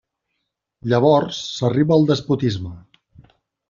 Llavors s'arriba al despotisme.